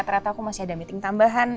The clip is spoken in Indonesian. ternyata aku masih ada meeting tambahan